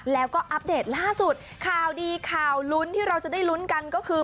แล้วก็อัปเดตล่าสุดข่าวดีข่าวลุ้นที่เราจะได้ลุ้นกันก็คือ